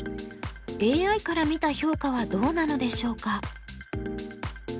ＡＩから見た評価はどうなのでしょうか？